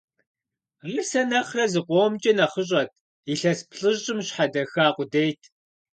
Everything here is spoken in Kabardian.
Ар сэ нэхърэ зыкъомкӀэ нэхъыщӀэт, илъэс плӀыщӀым щхьэдэха къудейт.